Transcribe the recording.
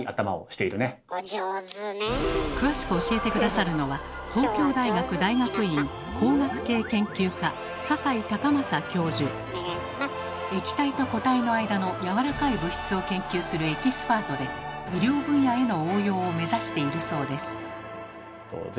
詳しく教えて下さるのは液体と固体の間のやわらかい物質を研究するエキスパートで医療分野への応用を目指しているそうです。